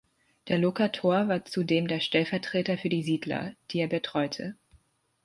Der Lokator war zudem der Stellvertreter für die Siedler, die er betreute.